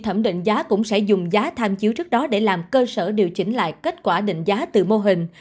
thẩm định giá cũng sẽ dùng giá tham chiếu trước đó để làm cơ sở điều chỉnh lại kết quả định giá từ mô hình